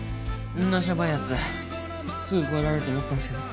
んなシャバいやつすぐ超えられると思ったんすけど。